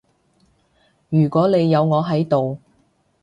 如果你有我喺度